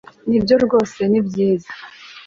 nibyo rwose ni byiza